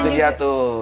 itu dia tuh